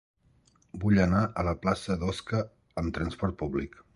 Vull anar a la plaça d'Osca amb trasport públic.